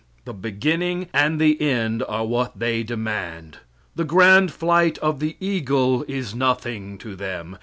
The beginning and the end are what they demand. The grand flight of the eagle is nothing to them.